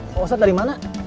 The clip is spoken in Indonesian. pak ustadz dari mana